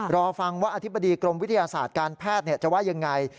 รอฟังว่าอธิบดีกรมวิทยาศาสตร์การแพทย์จะว่ายังไง